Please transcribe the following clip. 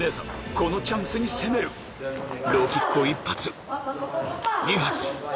このチャンスに攻めるローキックを１発２発！